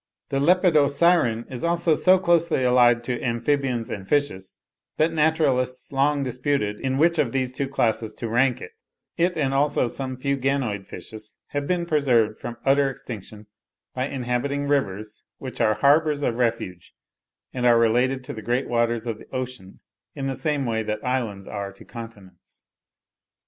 The Lepidosiren is also so closely allied to amphibians and fishes, that naturalists long disputed in which of these two classes to rank it; it, and also some few Ganoid fishes, have been preserved from utter extinction by inhabiting rivers, which are harbours of refuge, and are related to the great waters of the ocean in the same way that islands are to continents.